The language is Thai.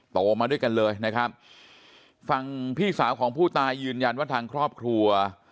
โตมาด้วยกันเลยนะครับฝั่งพี่สาวของผู้ตายยืนยันว่าทางครอบครัว